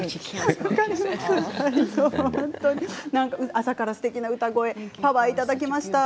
朝から、すてきな歌声パワーをいただきました。